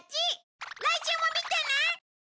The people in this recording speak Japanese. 来週も見てね！